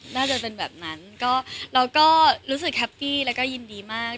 น่าจะเป็นแบบนั้นก็เราก็รู้สึกแฮปปี้แล้วก็ยินดีมาก